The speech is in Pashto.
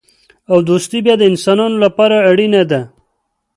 او دوستي بیا د انسانانو لپاره ډېره اړینه ده.